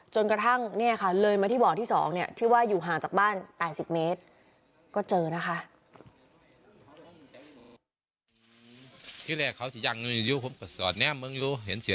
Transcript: จนกระทั่งเนี่ยค่ะเลยมาที่บ่อที่สองเนี่ย